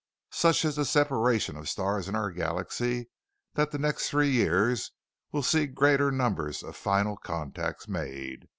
Such is the separation of stars in our galaxy that the next three years will see greater numbers of final contacts made.